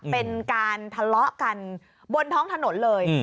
เป็นการทะเลาะกันบนท้องถนนเลย